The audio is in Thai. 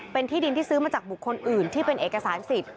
เป็นที่ดินที่ซื้อมาจากบุคคลอื่นที่เป็นเอกสารสิทธิ์